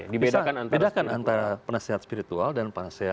dibedakan antara penasehat spiritual dan penasehat